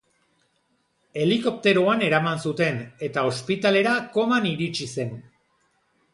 Helikopteroan eraman zuten eta ospitalera koman iritsi zen.